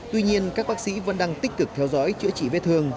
tuy nhiên các bác sĩ vẫn đang tích cực theo dõi chữa trị vết thương